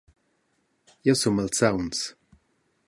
Jeu sun malsauns.